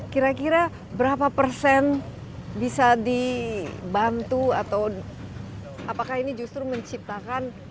kira kira berapa persen bisa dibantu atau apakah ini justru menciptakan